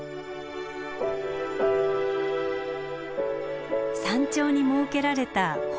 山頂に設けられた本丸。